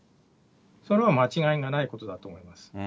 それは間違いがないことだと思います。